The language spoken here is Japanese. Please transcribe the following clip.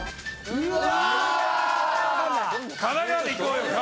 うわ。